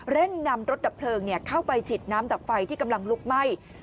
เร่งนำรถดับเพลิงเข้าไปฉีดน้ำดับไฟที่กำลังลุกไหม้